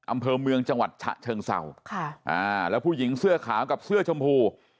อำเภอเมืองจังหวัดฉะเชิงเศร้าค่ะอ่าแล้วผู้หญิงเสื้อขาวกับเสื้อชมพู